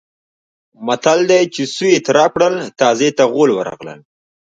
متل دی: چې سویې ترپ کړل تازي ته غول ورغلل.